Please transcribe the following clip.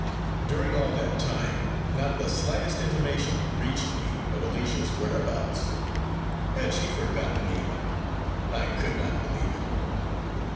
During all that time not the slightest intimation reached me of Alicia's whereabouts. Had she forgotten me? I could not believe it.